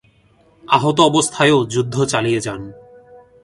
আহত অবস্থায়ও যুদ্ধ চালিয়ে যান।